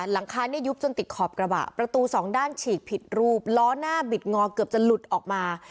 หลังคาเนี่ยยุบจนติดขอบกระบะประตูสองด้านฉีกผิดรูปล้อหน้าบิดงอเกือบจะหลุดออกมา